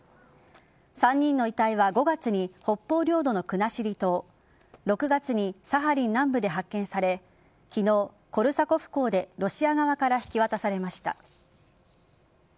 ３人の遺体は５月に北方領土の国後島６月にサハリン南部で発見され昨日、コルサコフ港でロシア側から引き渡されました。